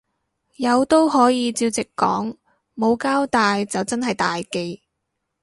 有都可以照直講，冇交帶就真係大忌